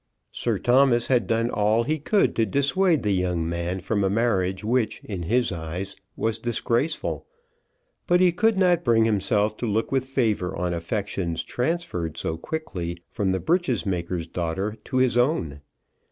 Sir Thomas had done all he could to dissuade the young man from a marriage which, in his eyes, was disgraceful; but he could not bring himself to look with favour on affections transferred so quickly from the breeches maker's daughter to his own.